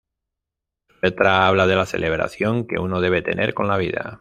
Su letra habla de la celebración que uno debe tener con la vida.